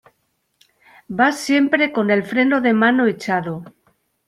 vas siempre con el freno de mano echado